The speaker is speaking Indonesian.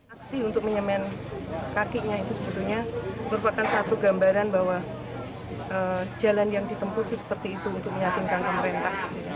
aksi untuk menyemen kakinya itu sebetulnya merupakan satu gambaran bahwa jalan yang ditempuh itu seperti itu untuk meyakinkan pemerintah